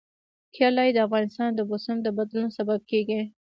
کلي د افغانستان د موسم د بدلون سبب کېږي.